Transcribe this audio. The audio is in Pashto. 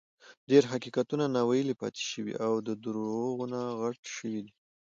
ډېر حقیقتونه ناویلي پاتې شوي او دروغونه غټ شوي دي.